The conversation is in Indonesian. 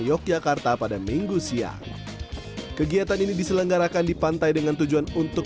yogyakarta pada minggu siang kegiatan ini diselenggarakan di pantai dengan tujuan untuk